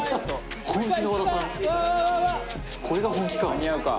「これが本気か！」